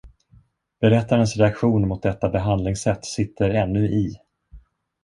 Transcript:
Berättarens reaktion mot detta behandlingssätt sitter ännu i.